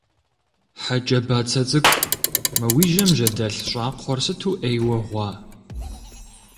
Хьэ кӀэ бацэ цӀыкӀу, мы уи жьэм жьэдэлъ щӀакхъуэр сыту Ӏейуэ гъуа.